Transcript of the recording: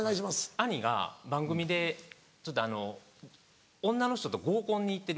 兄が番組で女の人と合コンに行ってる。